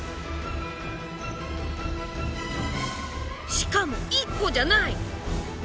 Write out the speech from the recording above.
しかも１個じゃない！